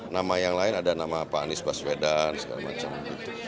nama yang lain ada nama pak anies baswedan segala macam